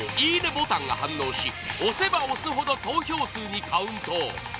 ボタンが反応し押せば押すほど投票数にカウント！